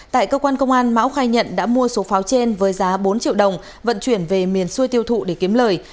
tại cơ quan công an mão khai nhận đã mua số pháo trên với giá bốn triệu đồng vận chuyển về miền xuôi tiêu thụ để kiếm lời